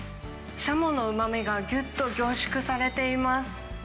シャモのうまみがぎゅっと凝縮されています。